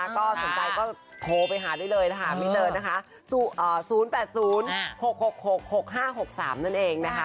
ก็สนใจก็โทรไปหาได้เลยนะคะไม่เจอนะคะ๐๘๐๖๖๖๕๖๓นั่นเองนะคะ